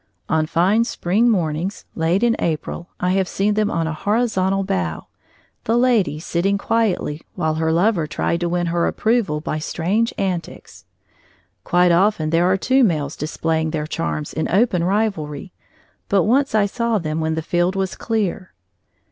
On fine spring mornings, late in April, I have seen them on a horizontal bough, the lady sitting quietly while her lover tried to win her approval by strange antics. Quite often there are two males displaying their charms in open rivalry, but once I saw them when the field was clear.